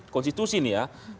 konstitusi ini ya